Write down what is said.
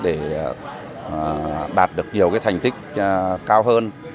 để đạt được nhiều thành tích